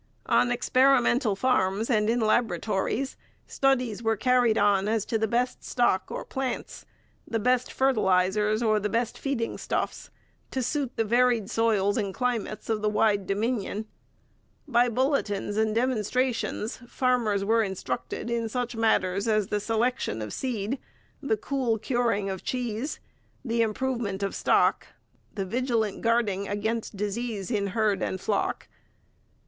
On experimental farms and in laboratories, studies were carried on as to the best stock or plants, the best fertilizers or the best feeding stuffs, to suit the varied soils and climates of the wide Dominion. By bulletins and demonstrations farmers were instructed in such matters as the selection of seed, the cool curing of cheese, the improvement of stock, the vigilant guarding against disease in herd and flock.